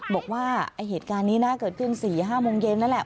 บอกว่าเหตุการณ์นี้นะเกิดขึ้น๔๕โมงเย็นนั่นแหละ